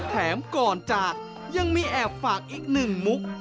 แถมก่อนจากยังมีแอบฝากอีกหนึ่งมุก